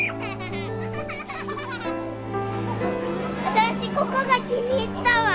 私ここが気に入ったわ。